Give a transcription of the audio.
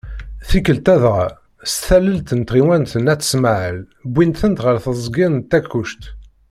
Tikkelt-a dɣa, s tallelt n tɣiwant n At Smaɛel, wwin-ten ɣer teẓgi n Takkuct.